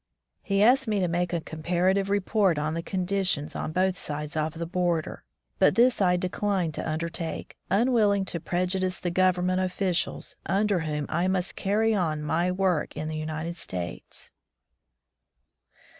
He asked me to make a compara tive report on their condition on both sides 145 \ Fnm the Deep Woods to Cimlizaiion of the border, but this I declined to under take, unwilling to prejudice the Government officials under whom I must carry on my work in the United States.